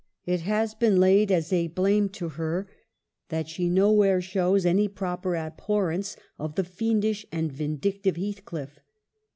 It has been laid as a blame to her that she nowhere shows any proper abhorrence of the fiendish and vindictive Heathcliff.